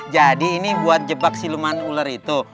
jadi ini buat jebak siluman ular itu